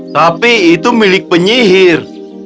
tapi itu milik penyihir